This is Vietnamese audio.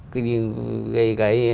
các giải pháp